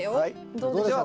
どうでしょう？